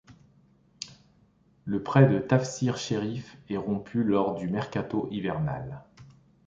Le prêt de Tafsir Chérif est rompu lors du mercato hivernal.